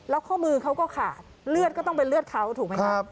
แล้วข้อมือเขาก็ขาดเลือดก็ต้องเป็นเลือดเขาถูกไหมครับ